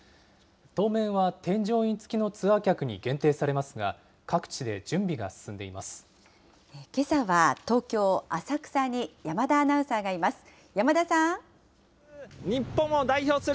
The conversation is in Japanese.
当面は添乗員付きのツアー客に限定されますが、各地で準備が進んけさは東京・浅草に山田アナウンサーがいます。